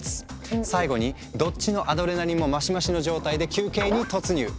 最後にどっちのアドレナリンもマシマシの状態で休憩に突入。